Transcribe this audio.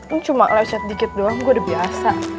pun cuma lecet dikit doang gue udah biasa